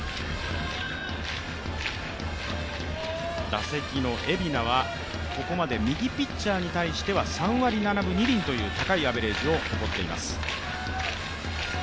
打席の蝦名はここまで右ピッチャーに対しては３割７分２厘という高いアベレージを誇っています。